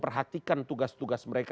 memperhatikan tugas tugas mereka